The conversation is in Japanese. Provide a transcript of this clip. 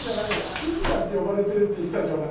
しーちゃんって呼ばれてるって言ってたじゃんお前。